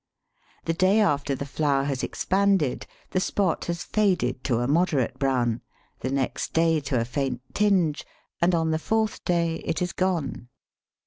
The day after the flower has expanded the spot has faded to a moderate brown, the next day to a faint tinge, and on the fourth day it is gone.